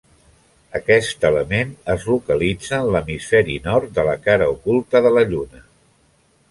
Aquest element es localitza en l'hemisferi nord de la cara oculta de la Lluna.